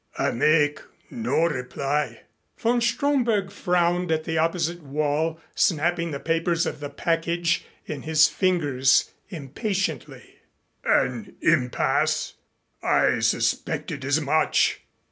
"I make no reply." Von Stromberg frowned at the opposite wall, snapping the papers of the package in his fingers impatiently. "An impasse! I suspected as much.